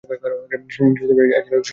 নিশ্চয়ই এ ছিল এক সুস্পষ্ট পরীক্ষা।